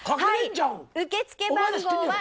受付番号は＃